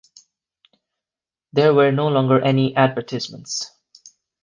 There were no longer any advertisements.